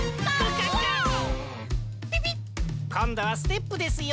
こんどはステップですよ。